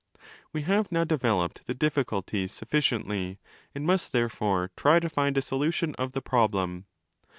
We have now developed the difficulties sufficiently and must therefore try to find a solution of the problem.